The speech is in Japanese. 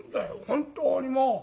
本当にもう。